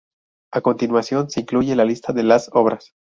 A continuación se incluye la lista de las obras.